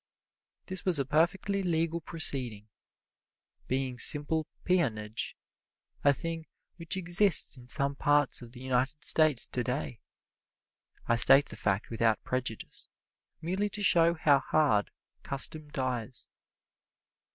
This was a perfectly legal proceeding, being simply peonage, a thing which exists in some parts of the United States today. I state the fact without prejudice, merely to show how hard custom dies.